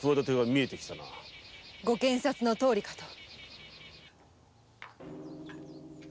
ご賢察のとおりかと。